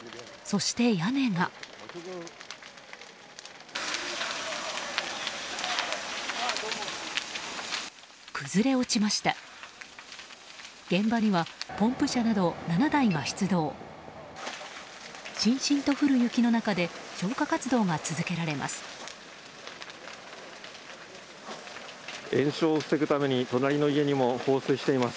しんしんと降る雪の中で消火活動が続けられます。